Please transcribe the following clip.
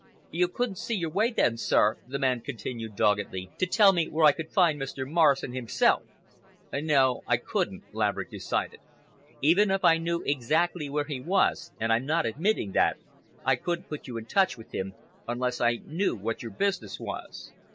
"You couldn't see your way, then, sir," the man continued doggedly, "to tell me where I could find Mr. Morrison himself?" "No, I couldn't," Laverick decided. "Even if I knew exactly where he was—and I'm not admitting that—I couldn't put you in touch with him unless I knew what your business was."